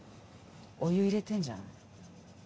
お湯入れてんじゃん？